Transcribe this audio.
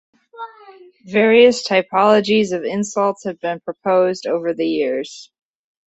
Various typologies of insults have been proposed over the years.